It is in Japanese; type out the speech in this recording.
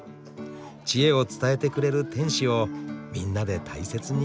知恵を伝えてくれる天使をみんなで大切にしてる。